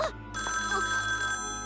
☎あっ。